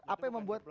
apa yang membuat